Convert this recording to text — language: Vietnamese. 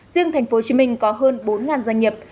riêng tp hcm có hơn bốn doanh nghiệp